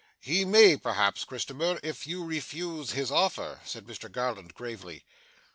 'He may, perhaps, Christopher, if you refuse his offer,' said Mr Garland gravely.